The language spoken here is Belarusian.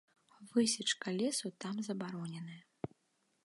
Высечка лесу там забароненая.